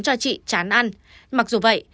cho chị chán ăn mặc dù vậy